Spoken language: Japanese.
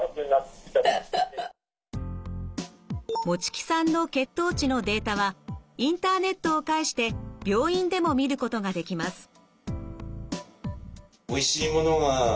持木さんの血糖値のデータはインターネットを介して病院でも見ることができます。